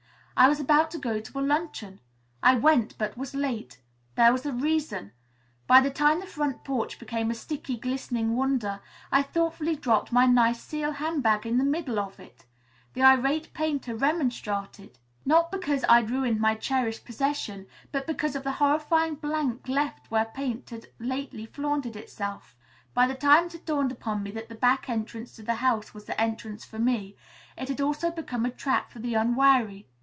I was about to go to a luncheon. I went, but was late. There was a reason. By the time the front porch became a sticky, glistening wonder, I thoughtfully dropped my nice seal handbag in the middle of it. The irate painter remonstrated. Not because I had ruined my cherished possession, but because of the horrifying blank left where paint had lately flaunted itself. By the time it had dawned upon me that the back entrance to the house was the entrance for me, it had also become a trap for the unwary.